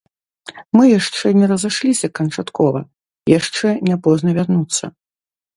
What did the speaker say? Мы яшчэ не разышліся канчаткова, яшчэ не позна вярнуцца.